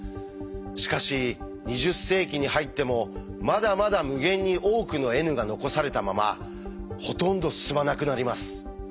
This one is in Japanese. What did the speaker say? しかし２０世紀に入ってもまだまだ無限に多くのｎが残されたままほとんど進まなくなります。